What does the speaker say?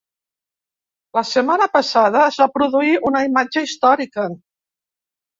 La setmana passada es va produir una imatge històrica.